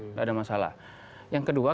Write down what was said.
tidak ada masalah yang kedua